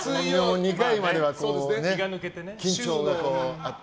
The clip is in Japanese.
２回までは、緊張があって。